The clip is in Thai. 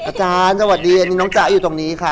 อาจารย์สวัสดีอันนี้น้องจ๊ะอยู่ตรงนี้ค่ะ